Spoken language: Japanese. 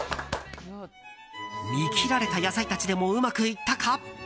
見切られた野菜たちでもうまくいったか？